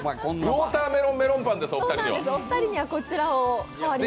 ウォーターメロンメロンパンです、お二人には。